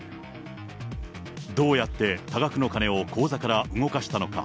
どうやって多額の金を口座から動かしたのか。